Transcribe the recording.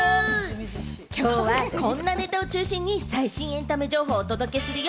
きょうはこんなネタを中心に最新エンタメ情報をお届けするよ！